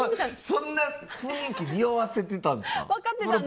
そんな雰囲気におわせてたんですか。